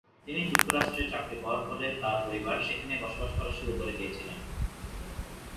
তিনি যুক্তরাষ্ট্রে চাকরি পাওয়ার ফলে তাঁর পরিবার সেখানেই বসবাস করা শুরু করে দিয়েছিলেন।